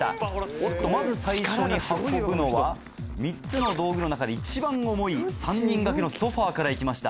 おっとまず最初に運ぶのは３つの道具の中で一番重い３人掛けのソファから行きました。